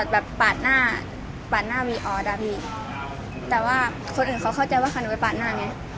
เพราะว่าเราเวลาไม่ทันหาเขาสุดที่พวกมันอยู่ตรงนั้น